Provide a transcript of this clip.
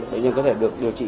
bệnh nhân có thể được điều trị